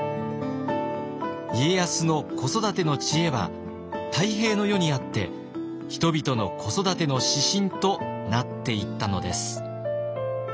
家康の子育ての知恵は太平の世にあって人々の子育ての指針となっていったのです。